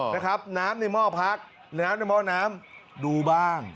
น้ำในหม้อพักน้ำในหม้อน้ำดูบ้าง